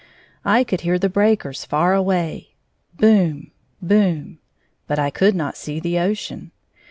I could hear the breakers far away — Boom! boom! — but I could not see the ocean.